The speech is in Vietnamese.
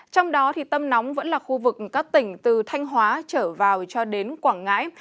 trong đó tâm nóng vẫn là khu vực các tỉnh từ thanh hóa trở vào cho đến quảng ngãi